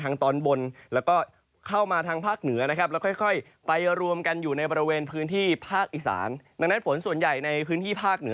สันตรรกรฝน